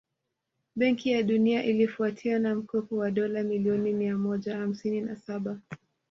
Benki ya Dunia ilifuatia na mkopo wa dola milioni miamoja hamsini na Saba